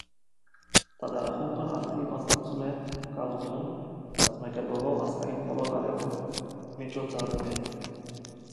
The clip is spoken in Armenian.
Թատերախումբն ակտիվ մասնակցում է գաղութում կազմակերպվող ազգային բոլոր կարևոր միջոցառումներին։